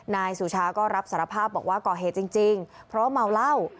นายสุชาก็รับสารภาพบอกว่าก่อเหตุจริงเพราะว่าเมาเหล้า